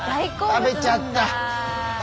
食べちゃった。